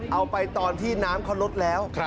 เอาไปตอนที่น้ำเขาลดแล้ว